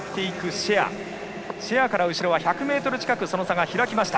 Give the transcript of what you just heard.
シェアから後ろは１００ｍ近く差が開きました。